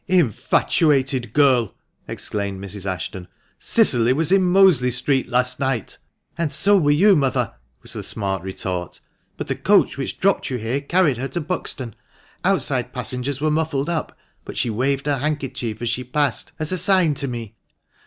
" Infatuated girl !" exclaimed Mrs. Ashton, " Cicily was in Mosley Street last night." THE MANCHESTER MAN. 361 " And so were you, mother," was the smart retort, " but the coach which dropped you here carried her to Buxton. Outside passengers were muffled up, but she waved her handkerchief as she passed, as a sign to me."